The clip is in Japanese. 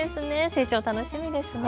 成長楽しみですね。